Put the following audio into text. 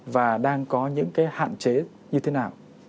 và đang có những cái hạn chế như thế nào